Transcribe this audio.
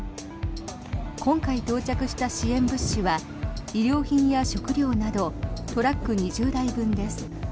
今回、到着した支援物資は医療品や食料などトラック２０台分です。